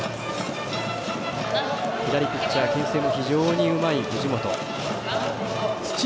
左ピッチャーけん制も非常にうまい。